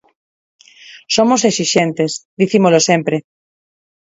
Somos exixentes, dicímolo sempre.